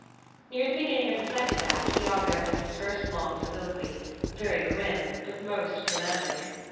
Near the beginning of the second act Iago has his first long soliloquy: very grim, but most dramatic.